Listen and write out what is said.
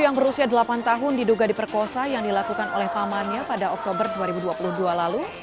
yang berusia delapan tahun diduga diperkosa yang dilakukan oleh pamannya pada oktober dua ribu dua puluh dua lalu